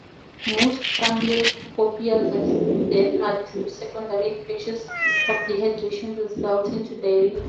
Most panleukopenia deaths are due to secondary infections or dehydration resulting from diarrhea.